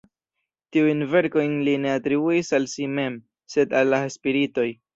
Tiujn verkojn li ne atribuis al si mem, sed al la spiritoj.